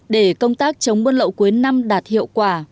để công tác chống buôn lậu cuối năm đạt hiệu quả